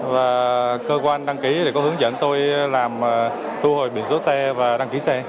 và cơ quan đăng ký để có hướng dẫn tôi làm thu hồi biển số xe và đăng ký xe